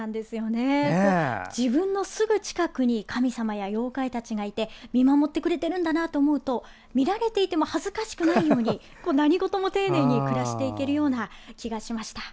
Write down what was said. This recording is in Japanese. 自分のすぐ近くに神様や妖怪たちがいて見守ってくれているんだなと思うと見られていても恥ずかしくないように何ごとも丁寧に暮らしていけるような気がしました。